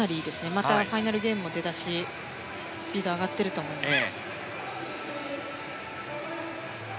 またファイナルゲームも出だしスピード上がってると思います。